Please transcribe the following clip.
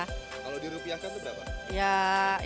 kalau dirupiahkan itu berapa